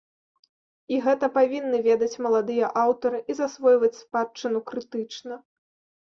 І гэта павінны ведаць маладыя аўтары і засвойваць спадчыну крытычна.